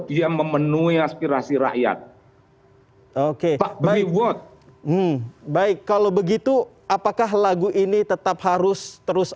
dia memenuhi aspirasi rakyat oke pak by watt baik kalau begitu apakah lagu ini tetap harus terus